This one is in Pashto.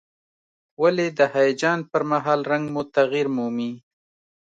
ولې د هیجان پر مهال رنګ مو تغییر مومي؟